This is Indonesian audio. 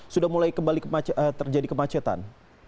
sudah mulai kembali terjadi kemacetan